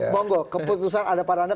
mau go keputusan ada pada anda